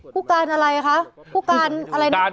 ผู้การอะไรคะผู้การอะไรนะ